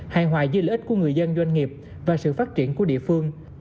hàng hoài dư lợi ích của người dân doanh nghiệp và sự phát triển của địa phương